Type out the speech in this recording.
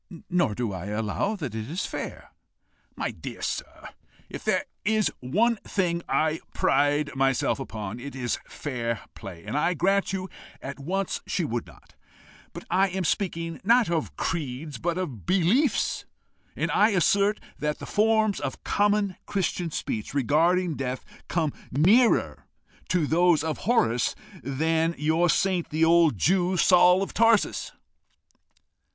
Nor do I allow that it is fair." "My dear sir, if there is one thing I pride myself upon, it is fair play, and I grant you at once she would not. But I am speaking, not of creeds, but of beliefs. And I assert that the forms of common Christian speech regarding death come nearer those of Horace than your saint, the old Jew, Saul of Tarsus."